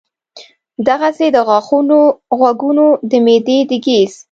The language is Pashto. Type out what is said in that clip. دغسې د غاښونو ، غوږونو ، د معدې د ګېس ،